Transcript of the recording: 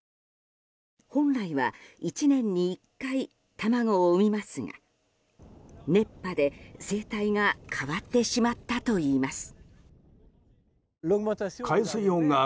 本来は１年に１回卵を産みますが熱波で生態が変わってしまったといいます。